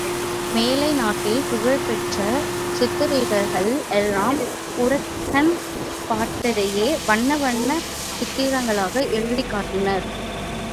மேலை நாட்டில் புகழ்பெற்ற சித்ரீகர்கள் எல்லாம் புறக்கண் பார்த்ததையே வண்ண வண்ணச் சித்திரங்களாக எழுதிக் காட்டினர்.